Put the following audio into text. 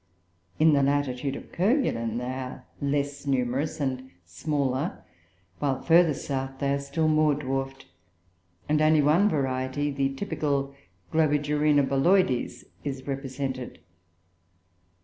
In the latitude of Kerguelen they are less numerous and smaller, while further south they are still more dwarfed, and only one variety, the typical Globigerina bulloides, is represented.